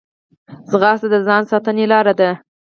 منډه د ځان ساتنې لاره ده